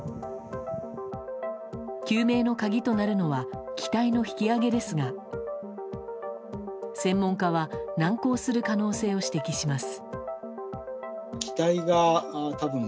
究明の鍵となるのは機体の引き揚げですが専門家は難航する可能性を指摘します。